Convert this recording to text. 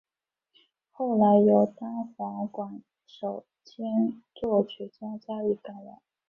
后来由单簧管手兼作曲家加以改良。